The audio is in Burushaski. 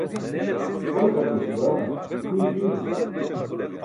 une xaṭ waśi baa guyi diyuus